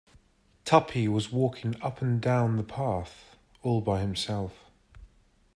Tuppy was walking up and down the path, all by himself.